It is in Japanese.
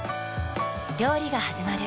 料理がはじまる。